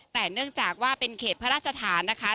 แต่เนื่องจากว่าเป็นเขตพระราชฐานนะคะ